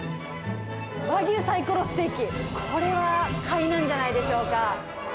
和牛サイコロステーキ、これは買いなんじゃないでしょうか。